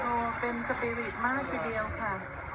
เป็นสปีริตมากทีเดียวค่ะ